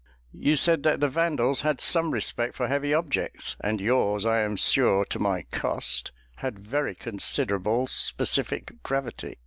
You said that the Vandals had some respect for heavy objects, and yours, I am sure, to my cost, had very considerable specific gravity."